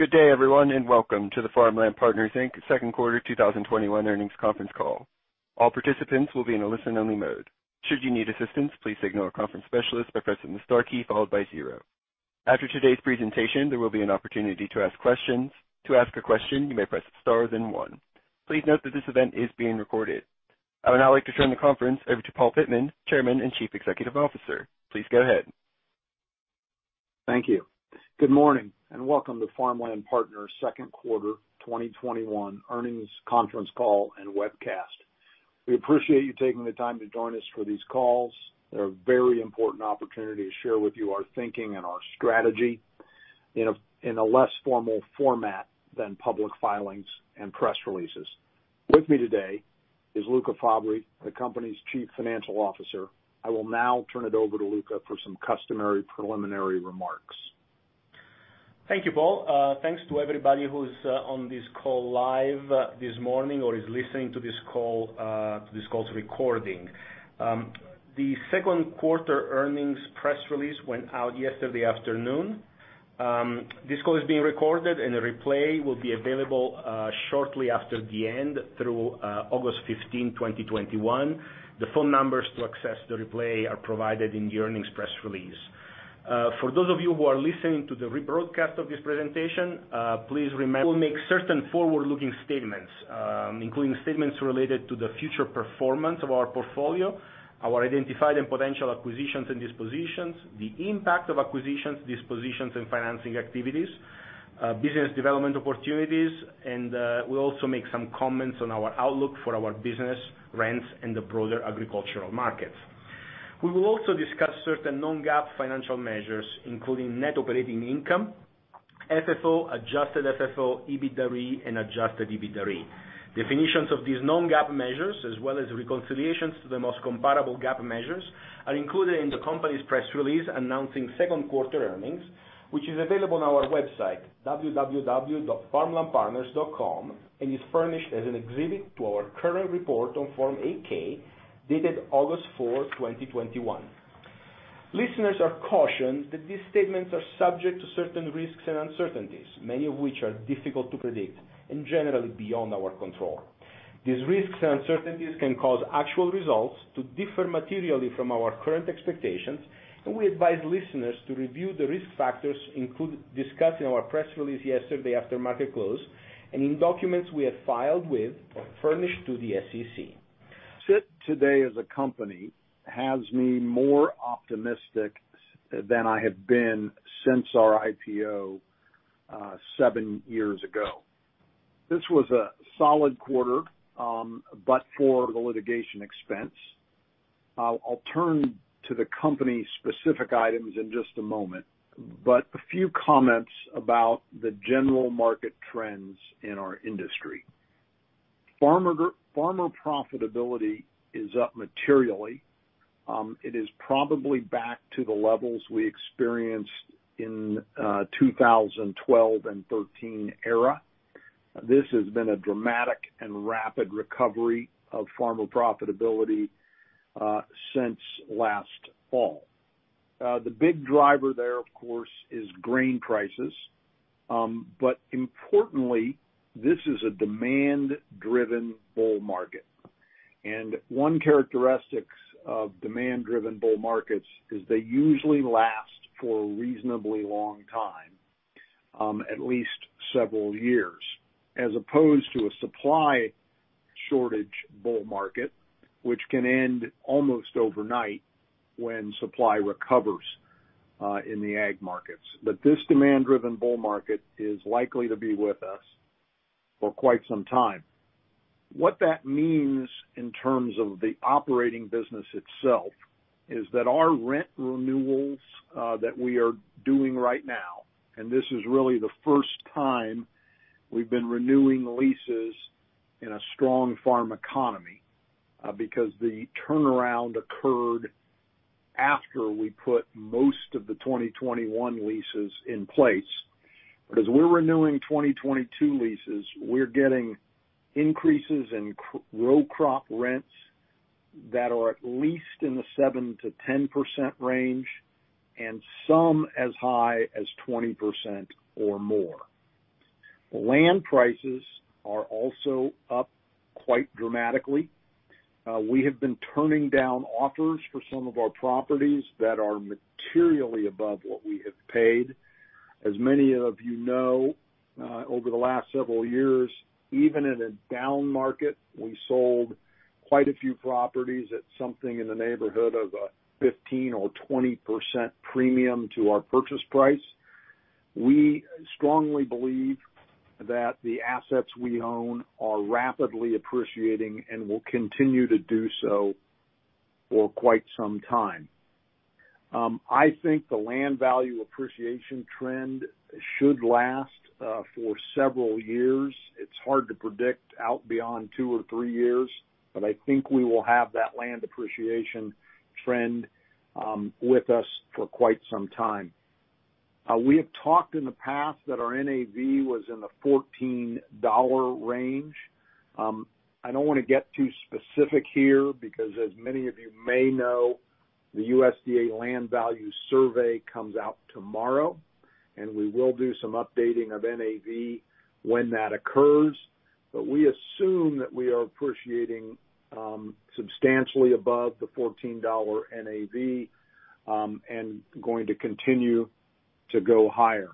Good day, everyone, and welcome to the Farmland Partners Inc Second Quarter 2021 Earnings Conference Call. All participants will be in a listen-only mode. Should you need assistance, please signal a conference specialist by pressing the star key followed by zero. After today's presentation, there will be an opportunity to ask questions. To ask a question, you may press star then one. Please note that this event is being recorded. I would now like to turn the conference over to Paul Pittman, Chairman and Chief Executive Officer. Please go ahead. Thank you. Good morning and welcome to Farmland Partners' Second Quarter 2021 Earnings Conference Call and Webcast. We appreciate you taking the time to join us for these calls. They're a very important opportunity to share with you our thinking and our strategy in a less formal format than public filings and press releases. With me today is Luca Fabbri, the company's Chief Financial Officer. I will now turn it over to Luca for some customary preliminary remarks. Thank you, Paul. Thanks to everybody who's on this call live this morning, or is listening to this call's recording. The second quarter earnings press release went out yesterday afternoon. This call is being recorded, and a replay will be available shortly after the end through August 15, 2021. The phone numbers to access the replay are provided in the earnings press release. For those of you who are listening to the rebroadcast of this presentation, please remember we'll make certain forward-looking statements, including statements related to the future performance of our portfolio, our identified and potential acquisitions and dispositions, the impact of acquisitions, dispositions, and financing activities, business development opportunities, and we'll also make some comments on our outlook for our business rents in the broader agricultural markets. We will also discuss certain non-GAAP financial measures, including net operating income, FFO, adjusted FFO, EBITDA, and adjusted EBITDA. Definitions of these non-GAAP measures, as well as reconciliations to the most comparable GAAP measures, are included in the company's press release announcing second quarter earnings, which is available on our website, www.farmlandpartners.com, and is furnished as an exhibit to our current report on Form 8-K, dated August 4, 2021. Listeners are cautioned that these statements are subject to certain risks and uncertainties, many of which are difficult to predict and generally beyond our control. These risks and uncertainties can cause actual results to differ materially from our current expectations. We advise listeners to review the risk factors discussed in our press release yesterday after market close, and in documents we have filed with or furnished to the SEC. Fit today as a company has me more optimistic than I have been since our IPO seven years ago. This was a solid quarter but for the litigation expense. I'll turn to the company-specific items in just a moment, but a few comments about the general market trends in our industry. Farmer profitability is up materially. It is probably back to the levels we experienced in 2012 and 2013 era. This has been a dramatic and rapid recovery of farmer profitability since last fall. The big driver there, of course, is grain prices. Importantly, this is a demand-driven bull market, and one characteristic of demand-driven bull markets is they usually last for a reasonably long time, at least several years, as opposed to a supply shortage bull market, which can end almost overnight when supply recovers in the ag markets. This demand-driven bull market is likely to be with us for quite some time. What that means in terms of the operating business itself is that our rent renewals that we are doing right now, and this is really the first time we've been renewing leases in a strong farm economy because the turnaround occurred after we put most of the 2021 leases in place. As we're renewing 2022 leases, we're getting increases in row crop rents that are at least in the 7%-10% range, and some as high as 20% or more. Land prices are also up quite dramatically. We have been turning down offers for some of our properties that are materially above what we have paid. As many of you know, over the last several years, even in a down market, we sold quite a few properties at something in the neighborhood of a 15%-20% premium to our purchase price. We strongly believe that the assets we own are rapidly appreciating and will continue to do so for quite some time. I think the land value appreciation trend should last for several years. It's hard to predict out beyond two or three years, but I think we will have that land appreciation trend with us for quite some time. We have talked in the past that our NAV was in the $14 range. I don't want to get too specific here because as many of you may know, the USDA Land Values Survey comes out tomorrow, and we will do some updating of NAV when that occurs. We assume that we are appreciating substantially above the $14 NAV, and going to continue to go higher.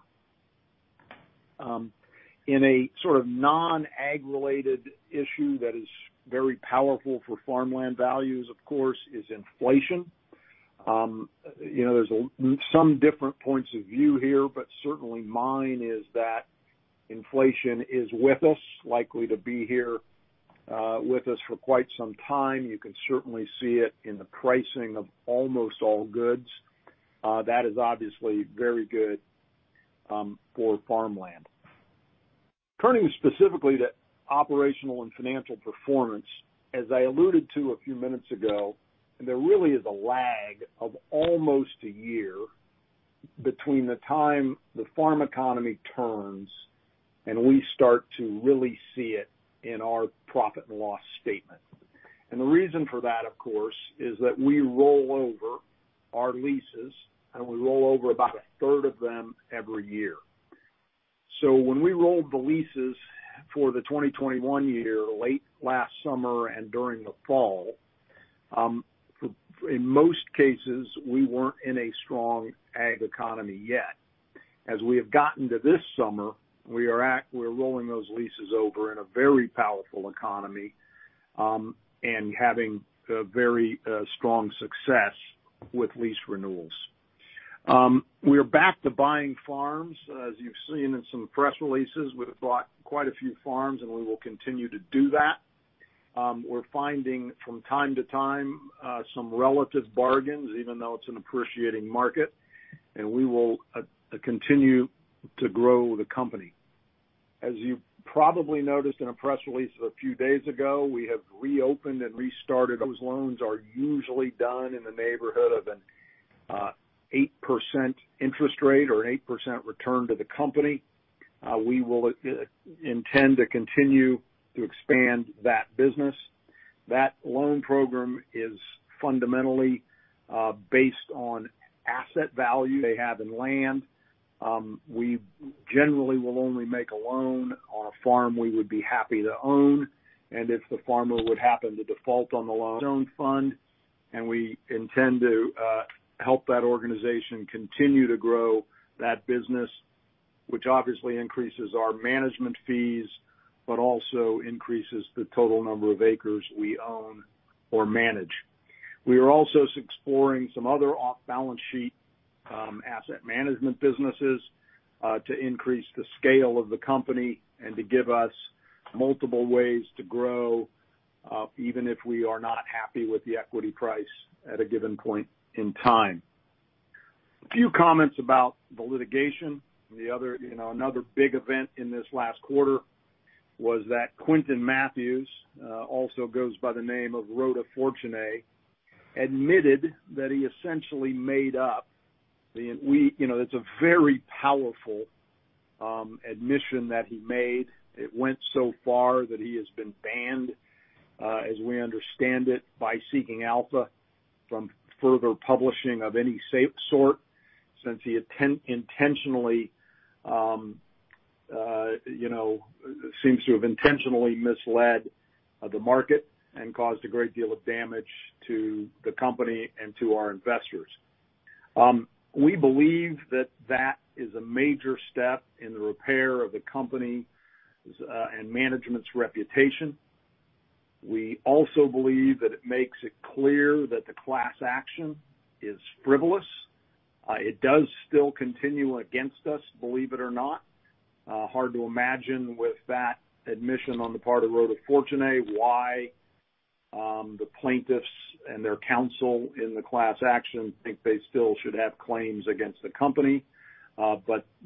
In a sort of non-ag related issue that is very powerful for farmland values, of course, is inflation. There's some different points of view here, certainly mine is that inflation is with us, likely to be here with us for quite some time. You can certainly see it in the pricing of almost all goods. That is obviously very good for farmland. Turning specifically to operational and financial performance, as I alluded to a few minutes ago, there really is a lag of almost a year between the time the farm economy turns and we start to really see it in our profit and loss statement. The reason for that, of course, is that we roll over our leases, and we roll over about 1/3 of them every year. When we rolled the leases for the 2021 year, late last summer and during the fall, in most cases, we weren't in a strong ag economy yet. As we have gotten to this summer, we're rolling those leases over in a very powerful economy, and having a very strong success with lease renewals. We are back to buying farms. As you've seen in some press releases, we've bought quite a few farms. We will continue to do that. We're finding from time to time, some relative bargains, even though it's an appreciating market. We will continue to grow the company. As you probably noticed in a press release a few days ago, we have reopened and restarted those loans are usually done in the neighborhood of an 8% interest rate or an 8% return to the company. We will intend to continue to expand that business. That loan program is fundamentally based on asset value they have in land. We generally will only make a loan on a farm we would be happy to own, and if the farmer would happen to default on the loan fund, and we intend to help that organization continue to grow that business, which obviously increases our management fees, but also increases the total number of acres we own or manage. We are also exploring some other off-balance sheet asset management businesses, to increase the scale of the company and to give us multiple ways to grow, even if we are not happy with the equity price at a given point in time. A few comments about the litigation. Another big event in this last quarter was that Quinton Mathews, also goes by the name of Rota Fortunae, admitted that he essentially made up. That's a very powerful admission that he made. It went so far that he has been banned, as we understand it, by Seeking Alpha from further publishing of any sort, since he seems to have intentionally misled the market and caused a great deal of damage to the company and to our investors. We believe that that is a major step in the repair of the company's and management's reputation. We also believe that it makes it clear that the class action is frivolous. It does still continue against us, believe it or not. Hard to imagine with that admission on the part of Rota Fortunae, why the plaintiffs and their counsel in the class action think they still should have claims against the company.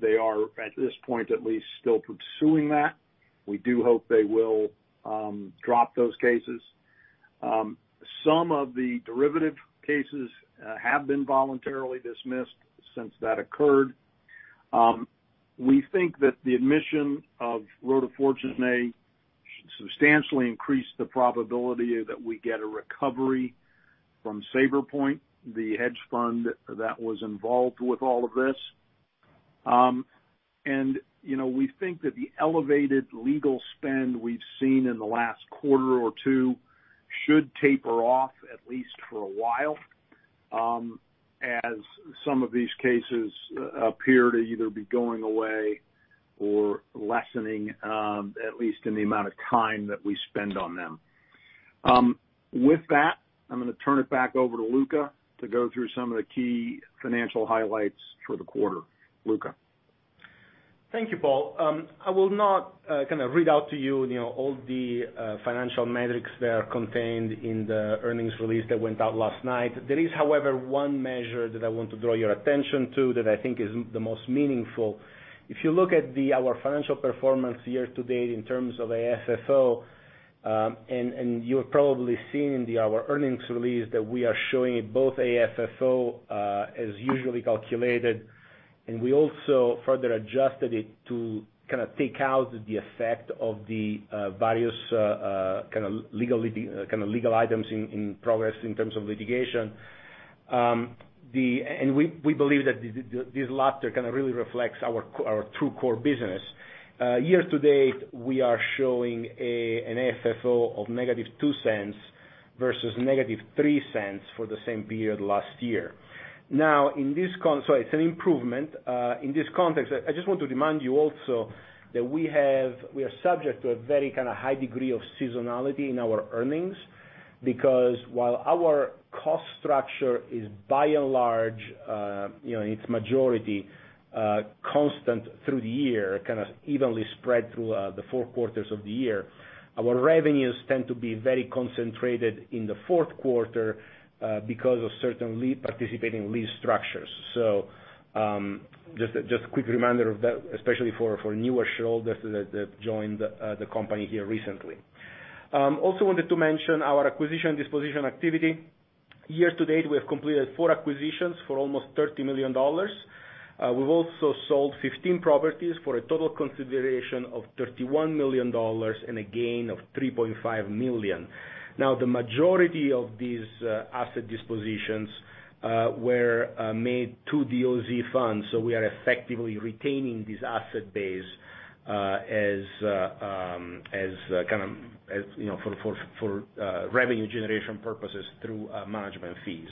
They are, at this point at least, still pursuing that. We do hope they will drop those cases. Some of the derivative cases have been voluntarily dismissed since that occurred. We think that the admission of Rota Fortunae may substantially increase the probability that we get a recovery from Sabrepoint, the hedge fund that was involved with all of this. We think that the elevated legal spend we've seen in the last quarter or two should taper off at least for a while, as some of these cases appear to either be going away or lessening, at least in the amount of time that we spend on them. With that, I'm going to turn it back over to Luca to go through some of the key financial highlights for the quarter. Luca. Thank you, Paul. I will not read out to you all the financial metrics that are contained in the earnings release that went out last night. There is, however, one measure that I want to draw your attention to that I think is the most meaningful. If you look at our financial performance year to date in terms of AFFO, and you have probably seen in our earnings release that we are showing both AFFO as usually calculated, and we also further adjusted it to take out the effect of the various kind of legal items in progress in terms of litigation. We believe that this latter kind of really reflects our true core business. Year-to-date, we are showing an FFO of -$0.02 versus -$0.03 for the same period last year. It's an improvement. In this context, I just want to remind you also that we are subject to a very kind of high degree of seasonality in our earnings because while our cost structure is by and large, its majority constant through the year, kind of evenly spread through the four quarters of the year, our revenues tend to be very concentrated in the fourth quarter because of certain participating lease structures. Just a quick reminder of that, especially for newer shareholders that have joined the company here recently. Wanted to mention our acquisition disposition activity. Year-to-date, we have completed four acquisitions for almost $30 million. We've also sold 15 properties for a total consideration of $31 million and a gain of $3.5 million. The majority of these asset dispositions were made to the OZ Funds, so we are effectively retaining this asset base for revenue generation purposes through management fees.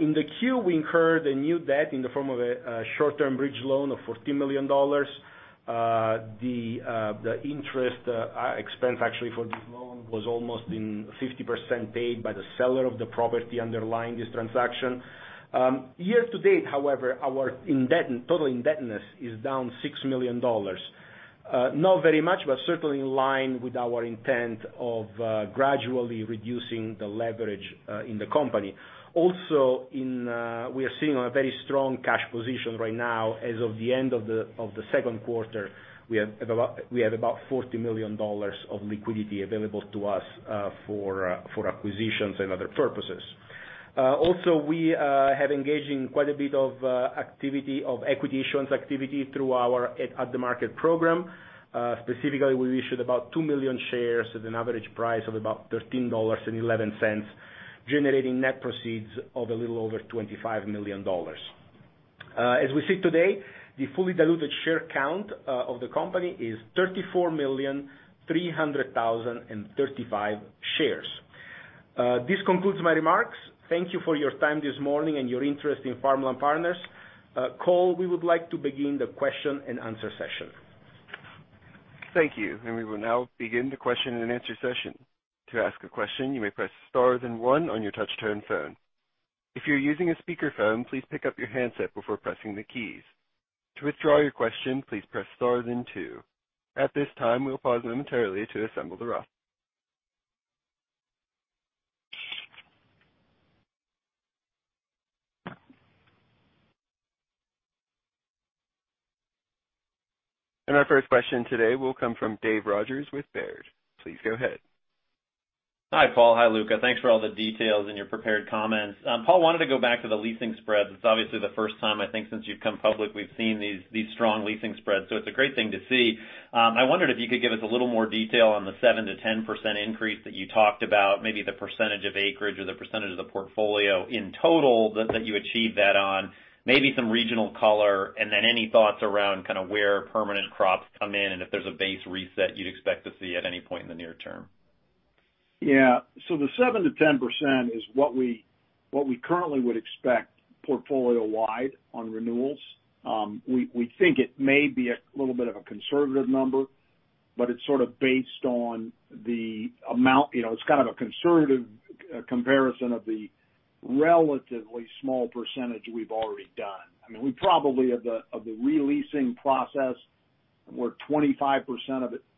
In the Q, we incurred a new debt in the form of a short-term bridge loan of $14 million. The interest expense actually for this loan was almost in 50% paid by the seller of the property underlying this transaction. Year-to-date, however, our total indebtedness is down $6 million. Not very much, but certainly in line with our intent of gradually reducing the leverage in the company. We are sitting on a very strong cash position right now. As of the end of the second quarter, we have about $40 million of liquidity available to us for acquisitions and other purposes. We have engaged in quite a bit of equity issuance activity through our at the market program. Specifically, we issued about two million shares at an average price of about $13.11, generating net proceeds of a little over $25 million. As we sit today, the fully diluted share count of the company is 34,300,035 shares. This concludes my remarks. Thank you for your time this morning and your interest in Farmland Partners. Cole, we would like to begin the question and answer session. Thank you. We will now begin the question and answer session. To ask a question, you may press star then one on your touch-tone phone. If you're using a speakerphone, please pick up your handset before pressing the keys. To withdraw your question, please press stars and two. At this time, we'll pause momentarily to assemble the [rough]. Our first question today will come from Dave Rodgers with Baird. Please go ahead. Hi, Paul. Hi, Luca. Thanks for all the details in your prepared comments. Paul, wanted to go back to the leasing spreads. It is obviously the first time, I think, since you've come public, we've seen these strong leasing spreads, so it's a great thing to see. I wondered if you could give us a little more detail on the 7%-10% increase that you talked about, maybe the percentage of acreage or the percentage of the portfolio in total that you achieved that on, maybe some regional color, and then any thoughts around kind of where permanent crops come in, and if there's a base reset you'd expect to see at any point in the near term. The 7%-10% is what we currently would expect portfolio-wide on renewals. We think it may be a little bit of a conservative number, but it's kind of a conservative comparison of the relatively small percentage we've already done. I mean, we probably, of the re-leasing process, we're 25%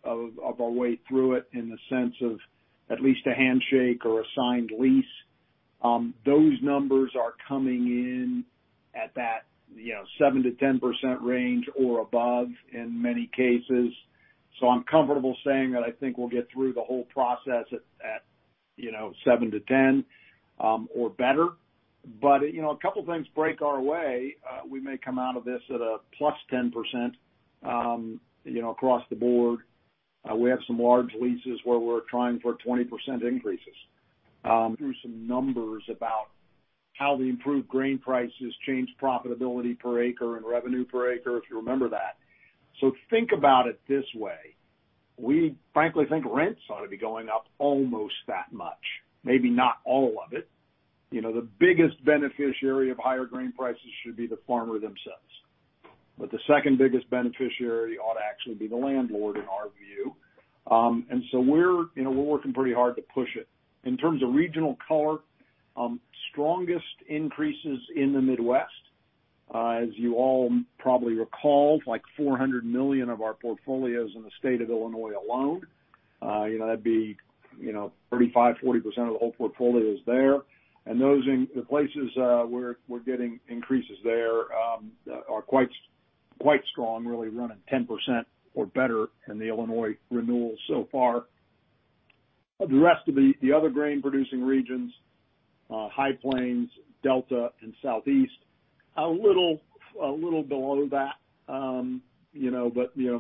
of our way through it in the sense of at least a handshake or a signed lease. Those numbers are coming in at that 7%-10% range or above in many cases. I'm comfortable saying that I think we'll get through the whole process at 7%-10%, or better. A couple of things break our way, we may come out of this at a +10% across the board. We have some large leases where we're trying for 20% increases. Through some numbers about how the improved grain prices change profitability per acre and revenue per acre, if you remember that. Think about it this way, we frankly think rents ought to be going up almost that much. Maybe not all of it. The biggest beneficiary of higher grain prices should be the farmer themselves. The second biggest beneficiary ought to actually be the landlord, in our view. We're working pretty hard to push it. In terms of regional color, strongest increases in the Midwest. As you all probably recall, like $400 million of our portfolios in the state of Illinois alone. That'd be 35%-40% of the whole portfolio is there. The places we're getting increases there are quite strong, really running 10% or better in the Illinois renewal so far. The rest of the other grain-producing regions, High Plains, Delta, and Southeast A little below that.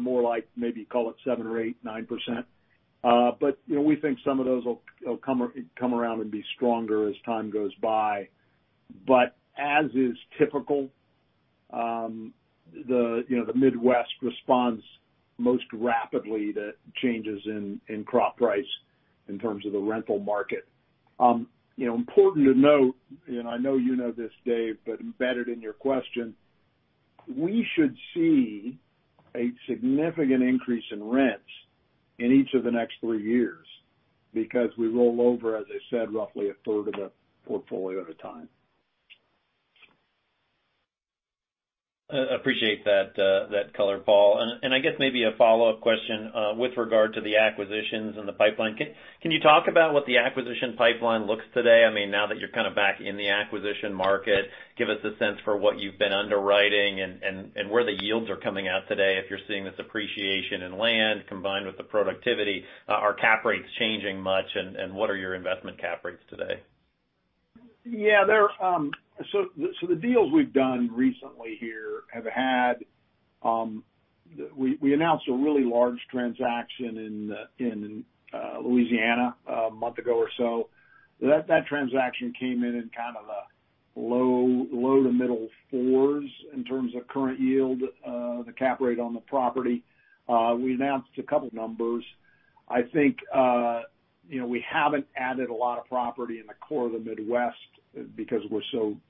More like maybe call it 7% or 8%, 9%. We think some of those will come around and be stronger as time goes by. As is typical, the Midwest responds most rapidly to changes in crop price in terms of the rental market. Important to note, and I know you know this, Dave, but embedded in your question, we should see a significant increase in rents in each of the next three years because we roll over, as I said, roughly a third of the portfolio at a time. I appreciate that color, Paul. I guess maybe a follow-up question with regard to the acquisitions and the pipeline. Can you talk about what the acquisition pipeline looks today? Now that you're kind of back in the acquisition market, give us a sense for what you've been underwriting and where the yields are coming out today. If you're seeing this appreciation in land combined with the productivity, are cap rates changing much, and what are your investment cap rates today? Yeah. The deals we've done recently here, we announced a really large transaction in Louisiana a month ago or so. That transaction came in in kind of the low to middle 4s in terms of current yield, the cap rate on the property. We announced two numbers. I think, we haven't added a lot of property in the core of the Midwest because we're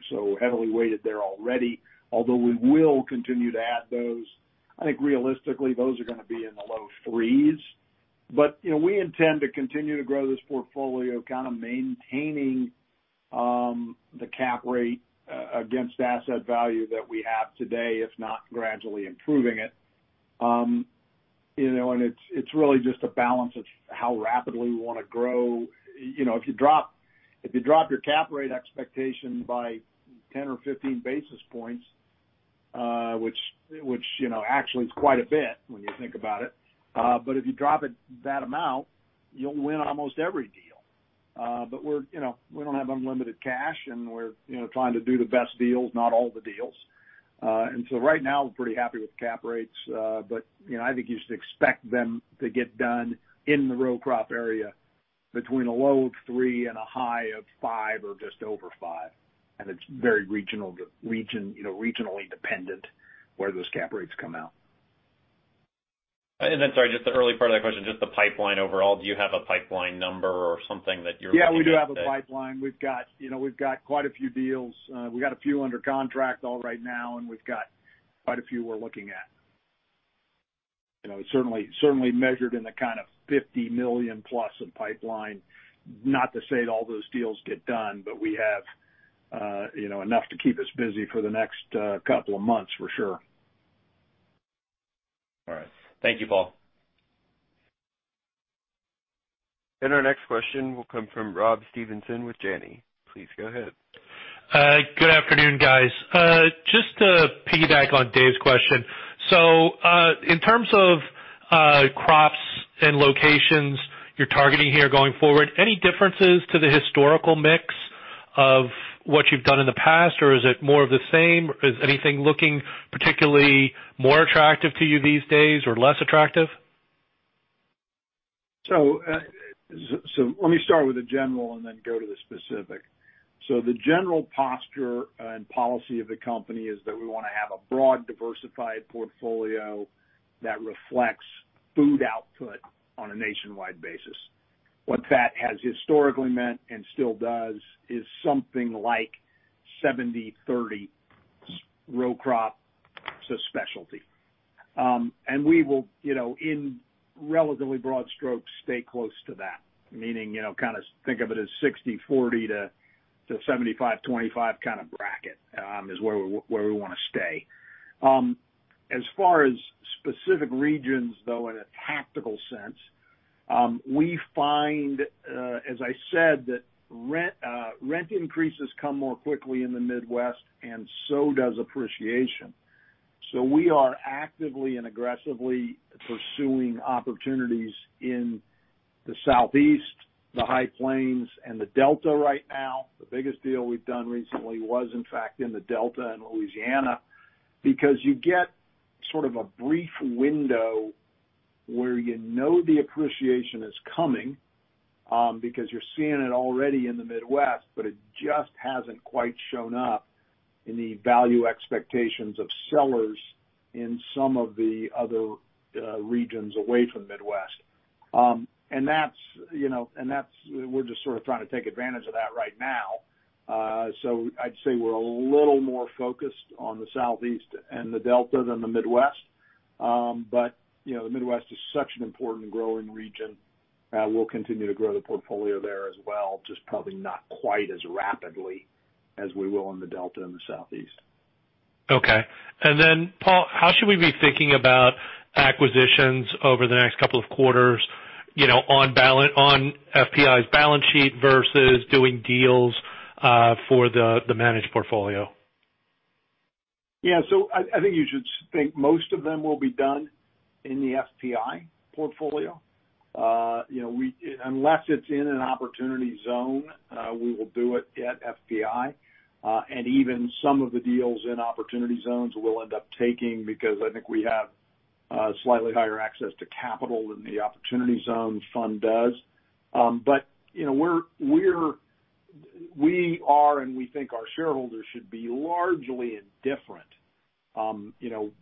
so heavily weighted there already, although we will continue to add those. I think realistically, those are going to be in the low 3s. We intend to continue to grow this portfolio, kind of maintaining the cap rate against asset value that we have today, if not gradually improving it. It's really just a balance of how rapidly we want to grow. If you drop your cap rate expectation by 10 or 15 basis points, which actually is quite a bit when you think about it, if you drop it that amount, you'll win almost every deal. We don't have unlimited cash, and we're trying to do the best deals, not all the deals. Right now, we're pretty happy with cap rates. I think you should expect them to get done in the row crop area between a low of three and a high of five or just over five. It's very regionally dependent where those cap rates come out. Then, sorry, just the early part of that question, just the pipeline overall. Do you have a pipeline number or something that you're looking at that? We do have a pipeline. We've got quite a few deals. We got a few under contract all right now, and we've got quite a few we're looking at. It's certainly measured in the kind of $50+ million in pipeline. Not to say all those deals get done, but we have enough to keep us busy for the next couple months, for sure. All right. Thank you, Paul. Our next question will come from Rob Stevenson with Janney. Please go ahead. Good afternoon, guys. Just to piggyback on Dave's question. In terms of crops and locations you're targeting here going forward, any differences to the historical mix of what you've done in the past, or is it more of the same? Is anything looking particularly more attractive to you these days or less attractive? Let me start with the general and then go to the specific. The general posture and policy of the company is that we want to have a broad, diversified portfolio that reflects food output on a nationwide basis. What that has historically meant and still does is something like 70/30 row crop to specialty. We will, in relatively broad strokes, stay close to that. Meaning, kind of think of it as 60/40 to 75/25 kind of bracket, is where we want to stay. As far as specific regions, though, in a tactical sense, we find, as I said, that rent increases come more quickly in the Midwest and so does appreciation. We are actively and aggressively pursuing opportunities in the Southeast, the High Plains, and the Delta right now. The biggest deal we've done recently was, in fact, in the Delta in Louisiana. You get sort of a brief window where you know the appreciation is coming, because you're seeing it already in the Midwest, but it just hasn't quite shown up in the value expectations of sellers in some of the other regions away from the Midwest. We're just sort of trying to take advantage of that right now. I'd say we're a little more focused on the Southeast and the Delta than the Midwest. The Midwest is such an important growing region. We'll continue to grow the portfolio there as well, just probably not quite as rapidly as we will in the Delta and the Southeast. Okay. Paul, how should we be thinking about acquisitions over the next couple of quarters, on FPI's balance sheet versus doing deals for the managed portfolio? Yeah. I think you should think most of them will be done in the FPI portfolio. Unless it's in an opportunity zone, we will do it at FPI. Even some of the deals in opportunity zones, we'll end up taking, because I think we have slightly higher access to capital than the opportunity zones fund does. We are, and we think our shareholders should be largely indifferent.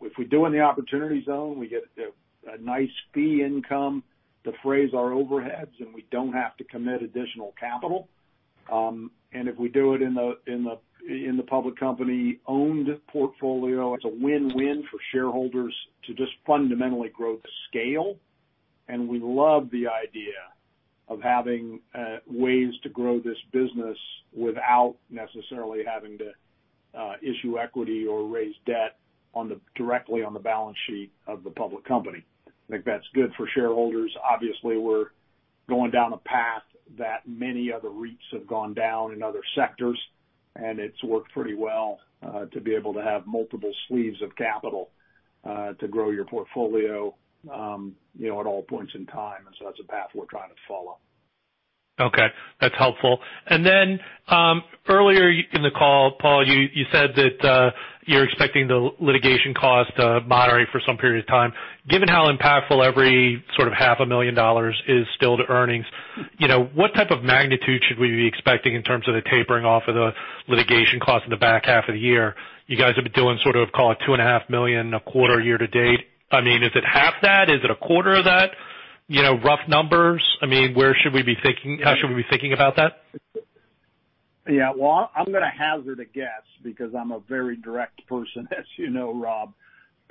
If we do it in the opportunity zone, we get a nice fee income to defray our overheads, and we don't have to commit additional capital. If we do it in the public company-owned portfolio, it's a win-win for shareholders to just fundamentally grow to scale. We love the idea of having ways to grow this business without necessarily having to issue equity or raise debt directly on the balance sheet of the public company. I think that's good for shareholders. Obviously, we're going down a path that many other REITs have gone down in other sectors. It's worked pretty well to be able to have multiple sleeves of capital to grow your portfolio at all points in time. That's a path we're trying to follow. Okay. That's helpful. Earlier in the call, Paul, you said that you're expecting the litigation cost to moderate for some period of time. Given how impactful every sort of half a million dollars is still to earnings, what type of magnitude should we be expecting in terms of the tapering off of the litigation costs in the back half of the year? You guys have been doing sort of, call it, $2.5 million a quarter year-to-date. Is it half that? Is it a quarter of that? Rough numbers. How should we be thinking about that? Well, I'm gonna hazard a guess because I'm a very direct person, as you know, Rob.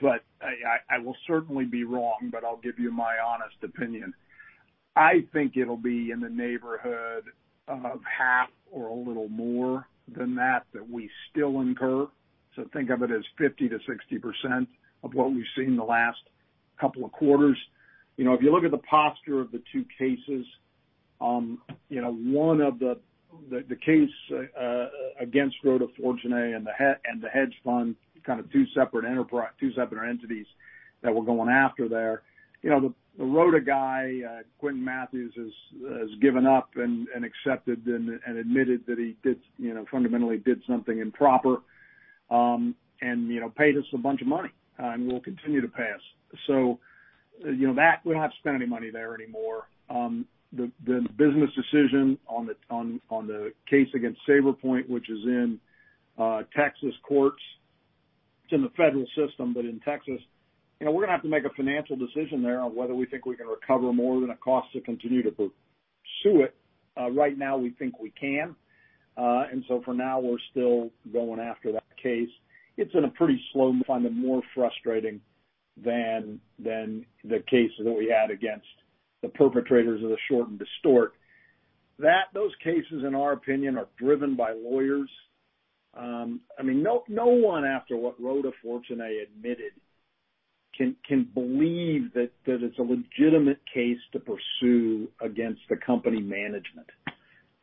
I will certainly be wrong, but I'll give you my honest opinion. I think it'll be in the neighborhood of half or a little more than that we still incur. Think of it as 50%-60% of what we've seen the last couple of quarters. If you look at the posture of the two cases, the case against Rota Fortunae and the hedge fund, kind of two separate entities that we're going after there. The Rota guy, Quinton Mathews, has given up and accepted and admitted that he fundamentally did something improper, and paid us a bunch of money, and we'll continue to pass. We don't have to spend any money there anymore. The business decision on the case against Sabrepoint, which is in Texas courts, it's in the federal system, but in Texas, we're going to have to make a financial decision there on whether we think we can recover more than it costs to continue to pursue it. Right now, we think we can. For now, we're still going after that case. We find it more frustrating than the case that we had against the perpetrators of the short and distort. Those cases, in our opinion, are driven by lawyers. I mean, no one after what Rota Fortunae admitted can believe that it's a legitimate case to pursue against the company management.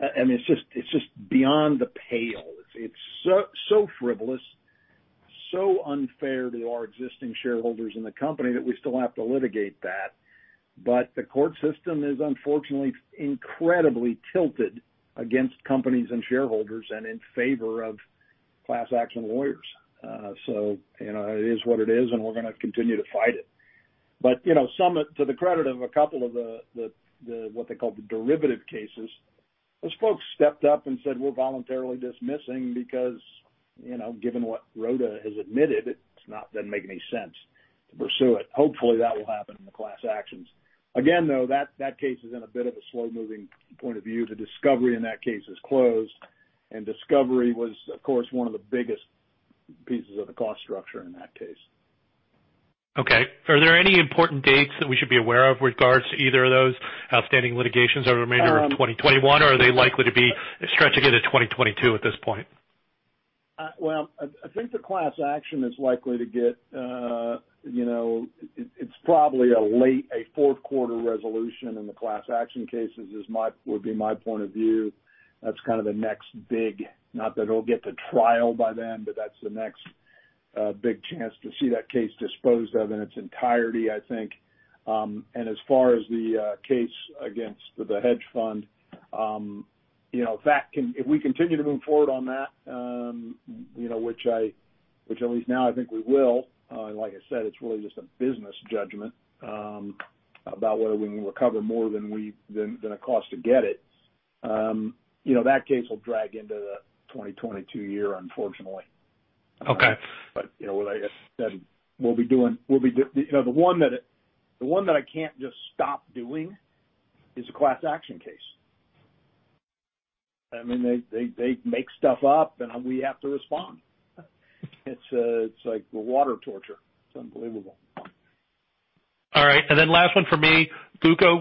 I mean, it's just beyond the pale. It's so frivolous, so unfair to our existing shareholders in the company that we still have to litigate that. The court system is unfortunately incredibly tilted against companies and shareholders and in favor of class action lawyers. It is what it is, and we're gonna continue to fight it. To the credit of a couple of the, what they call the derivative cases, those folks stepped up and said, "We're voluntarily dismissing because given what Rota Fortunae has admitted, it does not then make any sense to pursue it." Hopefully, that will happen in the class actions. Again, though, that case is in a bit of a slow-moving point of view. The discovery in that case is closed, and discovery was, of course, one of the biggest pieces of the cost structure in that case. Are there any important dates that we should be aware of with regards to either of those outstanding litigations over the remainder of 2021? Are they likely to be stretching into 2022 at this point? I think the class action is likely to get It's probably a late, a fourth quarter resolution in the class action cases, would be my point of view. That's kind of the next big Not that it'll get to trial by then, but that's the next big chance to see that case disposed of in its entirety, I think. As far as the case against the hedge fund, if we continue to move forward on that, which at least now I think we will, like I said, it's really just a business judgment about whether we can recover more than the cost to get it. That case will drag into the 2022 year, unfortunately. Okay. Like I said, the one that I can't just stop doing is the class action case. I mean, they make stuff up, and we have to respond. It's like water torture. It's unbelievable. All right. Last one from me. Luca,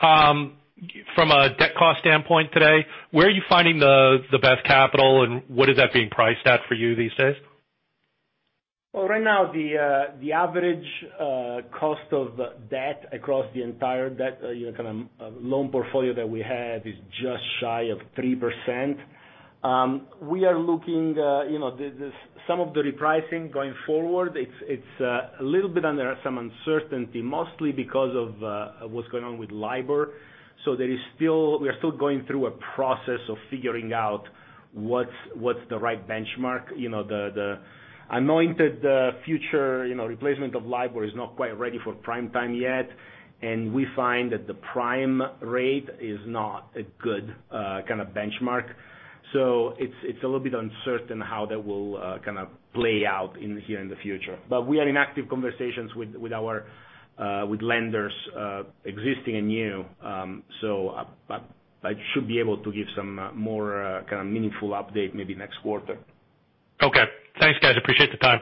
from a debt cost standpoint today, where are you finding the best capital, and what is that being priced at for you these days? Right now, the average cost of debt across the entire debt kind of loan portfolio that we have is just shy of 3%. We are looking, some of the repricing going forward, it's a little bit under some uncertainty, mostly because of what's going on with LIBOR. We are still going through a process of figuring out what's the right benchmark. The anointed future replacement of LIBOR is not quite ready for prime time yet, and we find that the prime rate is not a good kind of benchmark. It's a little bit uncertain how that will play out in here in the future. We are in active conversations with lenders, existing and new. I should be able to give some more kind of meaningful update maybe next quarter. Okay. Thanks, guys. Appreciate the time.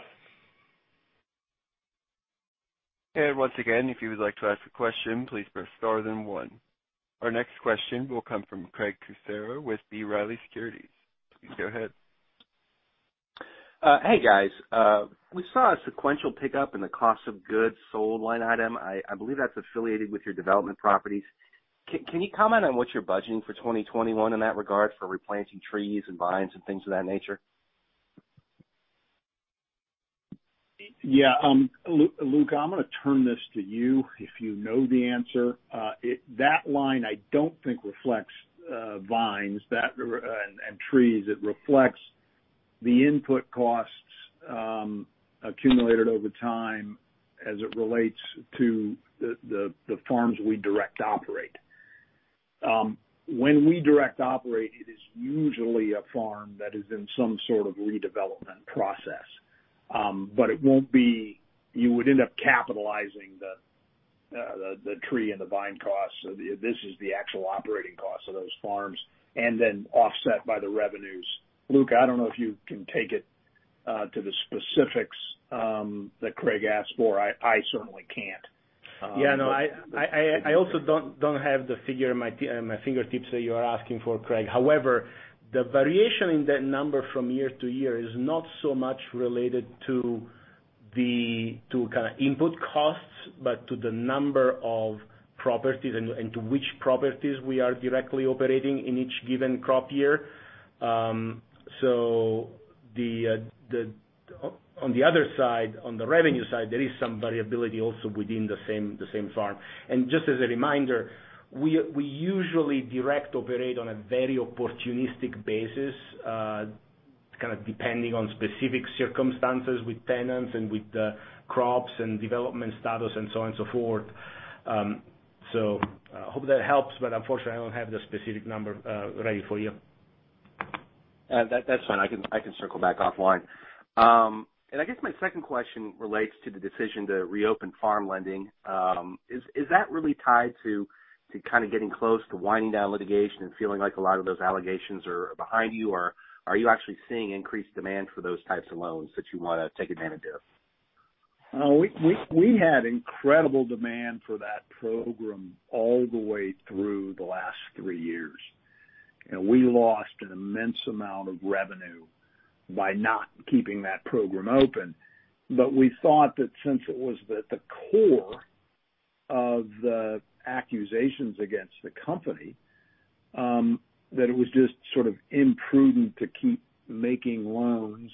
Once again, if you would like to ask a question, please press star then one. Our next question will come from Craig Kucera with B. Riley Securities. Please go ahead. Hey, guys. We saw a sequential pickup in the cost of goods sold line item. I believe that's affiliated with your development properties. Can you comment on what you're budgeting for 2021 in that regard for replanting trees and vines and things of that nature? Yeah. Luca, I'm going to turn this to you if you know the answer. That line, I don't think reflects vines and trees. It reflects the input costs accumulated over time as it relates to the farms we direct operate. When we direct operate, it is usually a farm that is in some sort of redevelopment process. You would end up capitalizing the tree and the vine cost. This is the actual operating cost of those farms and then offset by the revenues. Luca, I don't know if you can take it to the specifics that Craig asked for. I certainly can't. No, I also don't have the figure at my fingertips that you are asking for, Craig. However, the variation in that number from year to year is not so much related to kind of input costs, but to the number of properties and to which properties we are directly operating in each given crop year. On the other side, on the revenue side, there is some variability also within the same farm. Just as a reminder, we usually direct operate on a very opportunistic basis, kind of depending on specific circumstances with tenants and with the crops and development status and so on and so forth. I hope that helps, but unfortunately, I don't have the specific number ready for you. That's fine. I can circle back offline. I guess my second question relates to the decision to reopen farm lending. Is that really tied to kind of getting close to winding down litigation and feeling like a lot of those allegations are behind you, or are you actually seeing increased demand for those types of loans that you want to take advantage of? We had incredible demand for that program all the way through the last three years. We lost an immense amount of revenue by not keeping that program open. We thought that since it was at the core of the accusations against the company, that it was just sort of imprudent to keep making loans.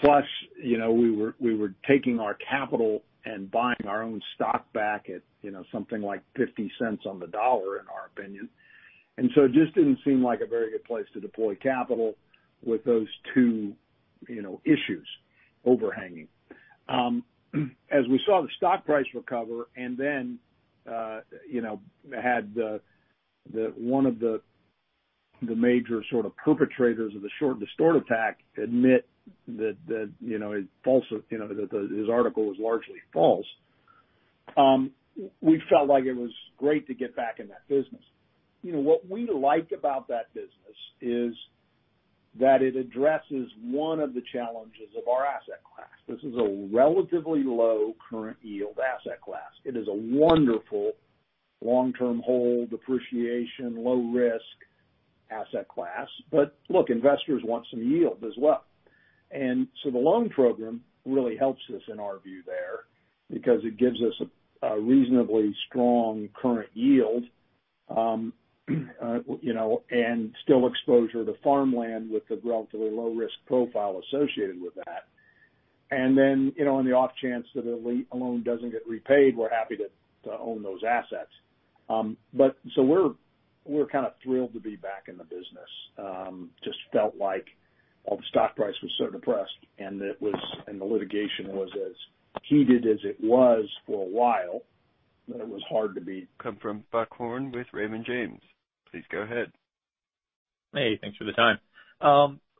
Plus, we were taking our capital and buying our own stock back at something like $0.50 on the $1, in our opinion. It just didn't seem like a very good place to deploy capital with those two issues overhanging. As we saw the stock price recover and then had one of the major sort of perpetrators of the short distort attack admit that his article was largely false, we felt like it was great to get back in that business. What we like about that business is that it addresses one of the challenges of our asset class. This is a relatively low current yield asset class. It is a wonderful long-term hold, depreciation, low risk asset class. Look, investors want some yield as well. The loan program really helps us in our view there because it gives us a reasonably strong current yield, and still exposure to farmland with the relatively low risk profile associated with that. On the off chance that a loan doesn't get repaid, we're happy to own those assets. We're kind of thrilled to be back in the business. Just felt like, well, the stock price was so depressed and the litigation was as heated as it was for a while, that it was hard to be. Come from Buck Horne with Raymond James. Please go ahead. Hey, thanks for the time.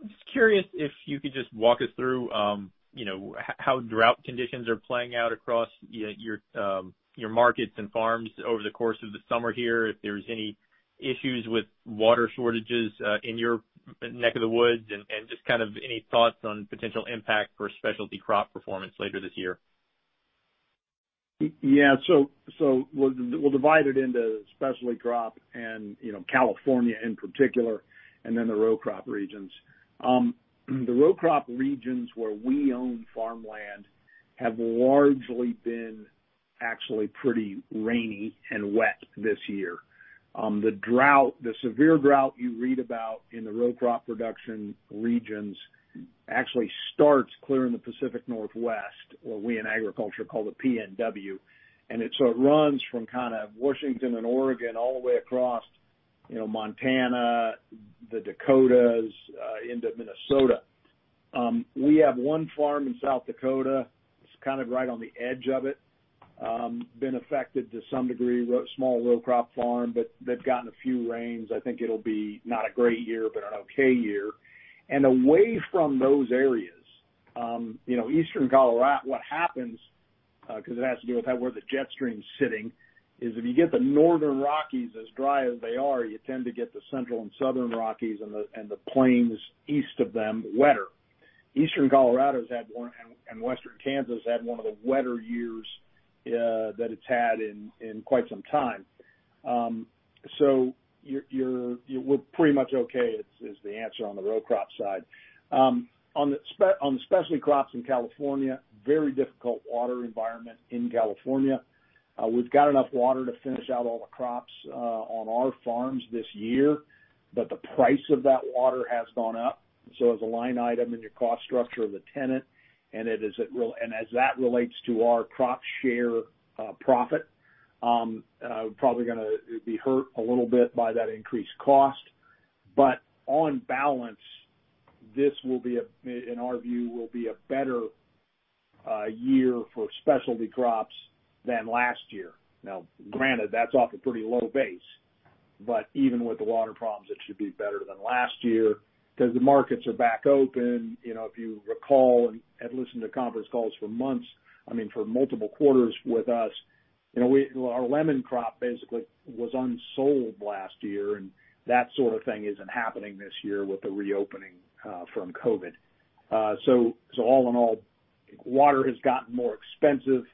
Just curious if you could just walk us through how drought conditions are playing out across your markets and farms over the course of the summer here, if there's any issues with water shortages in your neck of the woods, and just kind of any thoughts on potential impact for specialty crop performance later this year? Yeah. We'll divide it into specialty crop and California in particular, and then the row crop regions. The row crop regions where we own farmland have largely been actually pretty rainy and wet this year. The severe drought you read about in the row crop production regions actually starts clear in the Pacific Northwest, what we in agriculture call the PNW. It runs from kind of Washington and Oregon all the way across Montana, the Dakotas, into Minnesota. We have one farm in South Dakota. It's kind of right on the edge of it. It's been affected to some degree, small row crop farm, but they've gotten a few rains. I think it'll be not a great year, but an okay year. Away from those areas, Eastern Colorado, what happens, because it has to do with where the jet stream's sitting, is if you get the northern Rockies as dry as they are, you tend to get the central and southern Rockies and the plains east of them wetter. Eastern Colorado and Western Kansas had one of the wetter years that it's had in quite some time. We're pretty much okay is the answer on the row crop side. On the specialty crops in California, very difficult water environment in California. We've got enough water to finish out all the crops on our farms this year, but the price of that water has gone up. As a line item in your cost structure of the tenant, and as that relates to our crop share profit, probably going to be hurt a little bit by that increased cost. On balance, this, in our view, will be a better year for specialty crops than last year. Now, granted, that's off a pretty low base. Even with the water problems, it should be better than last year because the markets are back open. If you recall and have listened to conference calls for months, I mean, for multiple quarters with us, our lemon crop basically was unsold last year, and that sort of thing isn't happening this year with the reopening from COVID. All in all, water has gotten more expensive.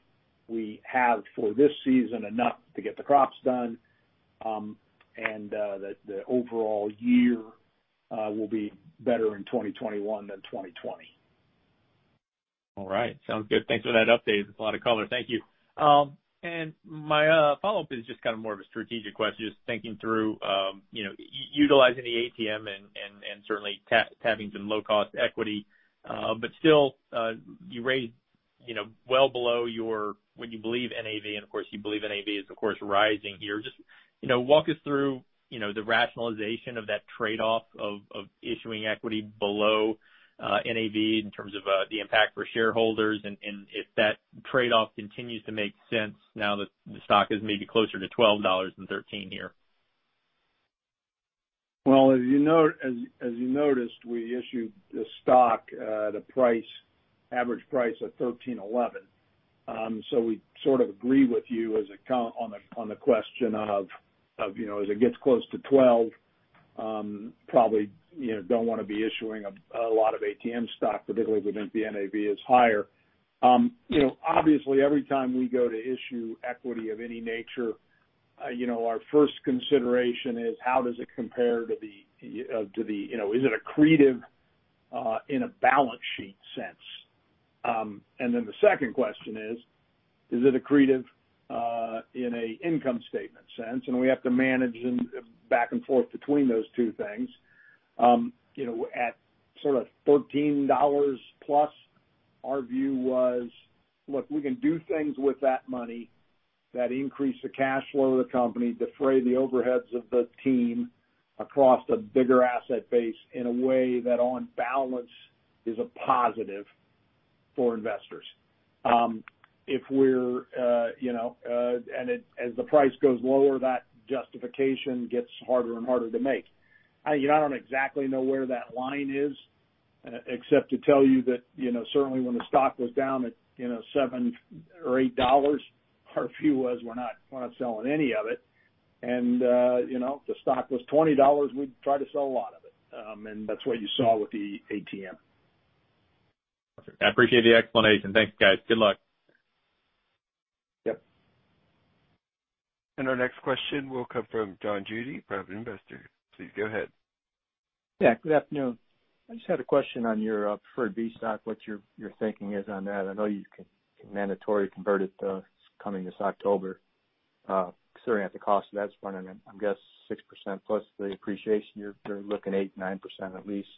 We have, for this season, enough to get the crops done. The overall year will be better in 2021 than 2020. All right. Sounds good. Thanks for that update. It's a lot of color. Thank you. My follow-up is just kind of more of a strategic question, just thinking through utilizing the ATM and certainly tapping some low-cost equity. Still, you raised well below what you believe NAV, and of course, you believe NAV is, of course, rising here. Just walk us through the rationalization of that trade-off of issuing equity below NAV in terms of the impact for shareholders and if that trade-off continues to make sense now that the stock is maybe closer to $12 than $13 here. Well, as you noticed, we issued the stock at an average price of $13.11. We sort of agree with you on the question of, as it gets close to $12.00, probably don't want to be issuing a lot of ATM stock, particularly within the NAV is higher. Obviously, every time we go to issue equity of any nature, our first consideration is: Is it accretive in a balance sheet sense? Then the second question is: Is it accretive in an income statement sense? We have to manage back and forth between those two things. At sort of $13+, our view was, look, we can do things with that money that increase the cash flow of the company, defray the overheads of the team across a bigger asset base in a way that, on balance, is a positive for investors. As the price goes lower, that justification gets harder and harder to make. I don't exactly know where that line is, except to tell you that certainly when the stock was down at $7 or $8, our view was we're not selling any of it. If the stock was $20, we'd try to sell a lot of it, and that's what you saw with the ATM. I appreciate the explanation. Thank you, guys. Good luck. Yep. Our next question will come from [John Judy], Private Investor. Please go ahead. Yeah, good afternoon. I just had a question on your Preferred B stock, what your thinking is on that. I know you can mandatory convert it coming this October. Considering at the cost of that one, and I guess 6% plus the appreciation, you're looking 8%, 9% at least.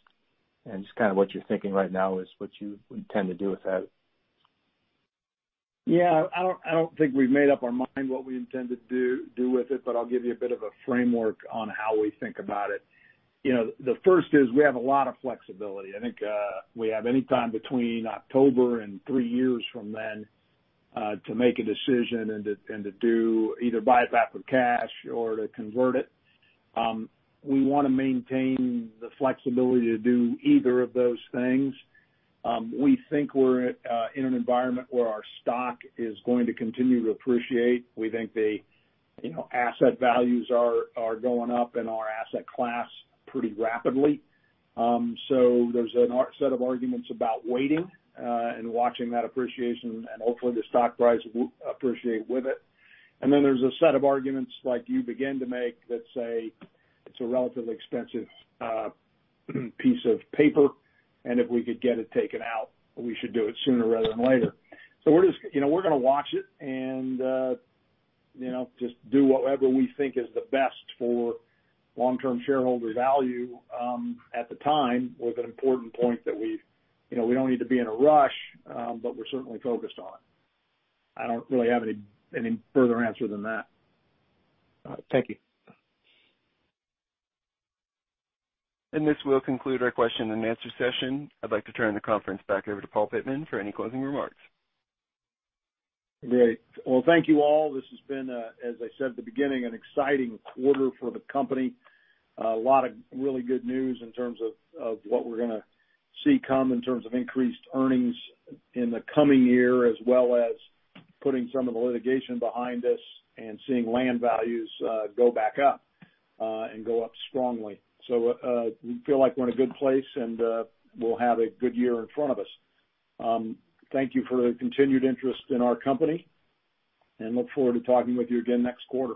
Just kind of what you're thinking right now is what you intend to do with that. Yeah, I don't think we've made up our mind what we intend to do with it, but I'll give you a bit of a framework on how we think about it. The first is we have a lot of flexibility. I think we have any time between October and three years from then to make a decision and to either buy it back with cash or to convert it. We want to maintain the flexibility to do either of those things. We think we're in an environment where our stock is going to continue to appreciate. We think the asset values are going up in our asset class pretty rapidly. There's a set of arguments about waiting and watching that appreciation, and hopefully the stock price will appreciate with it. Then there's a set of arguments like you begin to make that say it's a relatively expensive piece of paper, and if we could get it taken out, we should do it sooner rather than later. We're going to watch it and just do whatever we think is the best for long-term shareholder value at the time with an important point that we don't need to be in a rush, but we're certainly focused on it. I don't really have any further answer than that. All right. Thank you. This will conclude our question and answer session. I'd like to turn the conference back over to Paul Pittman for any closing remarks. Great. Well, thank you all. This has been, as I said at the beginning, an exciting quarter for the company. A lot of really good news in terms of what we're going to see come in terms of increased earnings in the coming year, as well as putting some of the litigation behind us and seeing land values go back up and go up strongly. We feel like we're in a good place, and we'll have a good year in front of us. Thank you for the continued interest in our company and look forward to talking with you again next quarter.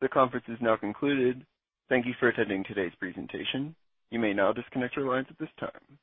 The conference is now concluded. Thank you for attending today's presentation. You may now disconnect your lines at this time.